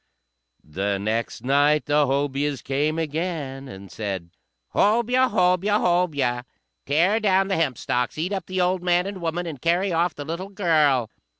The next night the Hobyahs came again, and said, "Hobyah! Hobyah! Hobyah! Tear down the hempstalks, eat up the old man and woman, and carry off the little girl!"